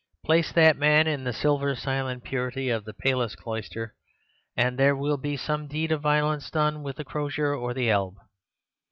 Place that man in the silver silent purity of the palest cloister, and there will be some deed of violence done with the crozier or the alb.